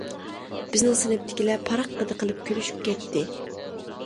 بىزنىڭ سىنىپتىكىلەر پاراققىدە قىلىپ كۈلۈشۈپ كەتتى.